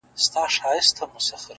• سلمان وویل قسمت کړي وېشونه ,